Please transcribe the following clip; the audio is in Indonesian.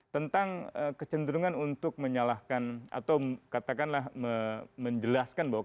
tentang kecenderungan untuk menyalahkan atau katakanlah menjelaskan bahwa